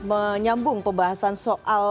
menyambung pembahasan soal